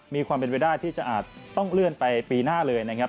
มีความเป็นไปได้ที่จะอาจต้องเลื่อนไปปีหน้าเลยนะครับ